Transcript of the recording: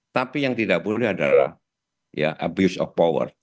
tapi yang tidak boleh adalah ya abuse of power